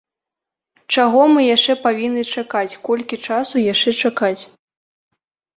Чаго мы яшчэ павінны чакаць, колькі часу яшчэ чакаць?